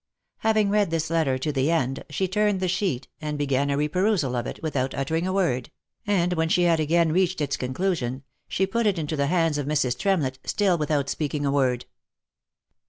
Having read this letter to the end, she turned the sheet, and began a re perusal of it, without uttering a word, and when she had again reached its conclusion, she put it into the hands of Mrs. Tremlett, still without speaking a word.